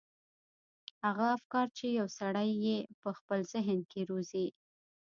هغه افکار چې يو سړی يې په خپل ذهن کې روزي.